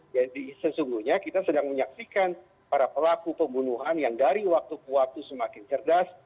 jadi sesungguhnya kita sedang menyaksikan para pelaku pembunuhan yang dari waktu ke waktu semakin cerdas